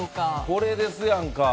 これですやんか。